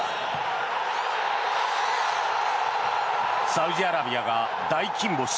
サウジアラビアが大金星。